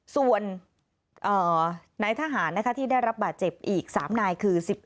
ส่วนนายทหารที่ได้รับบาดเจ็บอีก๓นายคือ